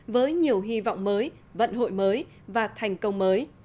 với nhiều hy vọng mới vận hội mới và thành công mới